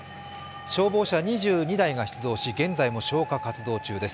消防車２２台が出動し現在も消火活動中です。